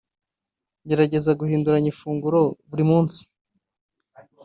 Gerageza guhinduranya ifunguro buri munsi